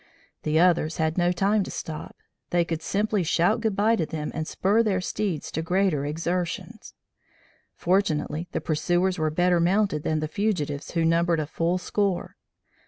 The others had no time to stop: they could simply shout goodbye to them and spur their steeds to greater exertions. Fortunately the pursuers were better mounted than the fugitives who numbered a full score.